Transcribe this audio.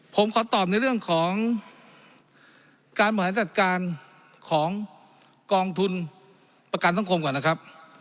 ผมขอตอบในเรื่องของการบริหารจัดการของกองทุนประกันสังคมก่อนนะครับ